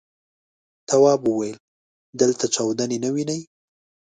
تواب وويل: دلته چاودنې نه وینې.